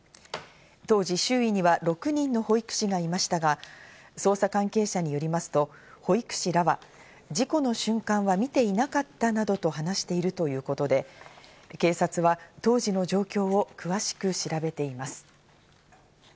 当時、周囲には６人の保育士がいましたが、捜査関係者によりますと保育士らは、事故の瞬間は見ていなかったなどと話しているということで、警察は当時の状況を詳しく調べています。